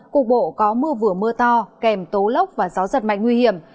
cục bộ có mưa vừa mưa to kèm tố lốc và gió giật mạnh nguy hiểm